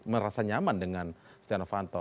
merasa nyaman dengan stiano vanto